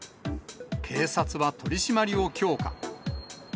警察は取締りを強化。